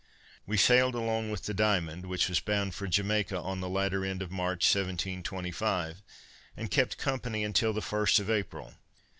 We sailed along with the Diamond, which was bound for Jamaica, on the latter end of March 1725, and kept company until the first of April.